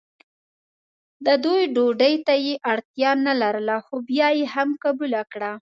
د دوی ډوډۍ ته یې اړتیا نه لرله خو بیا یې هم قبوله کړه.